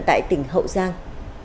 tại tỉnh hậu giang